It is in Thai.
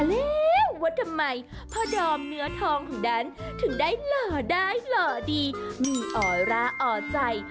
แล้วว่าทำไมพ่อดอมเนื้อทองของนั้นถึงได้หล่อได้หล่อดีมีออร่าอ่อใจ